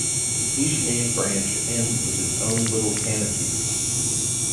Each main branch ends with its own little canopy.